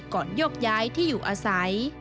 ก่อนยกยายที่อยู่อาศัย